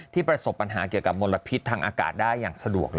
ประสบปัญหาเกี่ยวกับมลพิษทางอากาศได้อย่างสะดวก